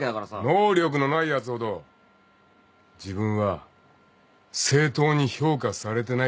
能力のないやつほど自分は正当に評価されてないって言い張るんだよ。